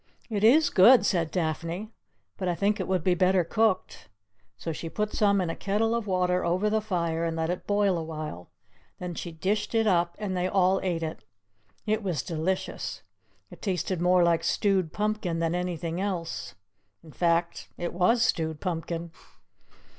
"It is good," said Daphne; "but I think it would be better cooked." So she put some in a kettle of water over the fire, and let it boil awhile; then she dished it up, and they all ate it. It was delicious. It tasted more like stewed pumpkin than anything else; in fact it was stewed pumpkin.